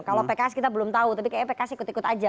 kalau pks kita belum tahu tapi kayaknya pks ikut ikut aja